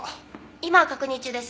今確認中です。